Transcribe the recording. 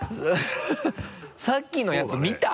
さっきのやつ見た？